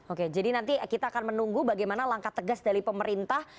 oke jadi nanti kita akan menunggu bagaimana langkah tegas dari pemerintah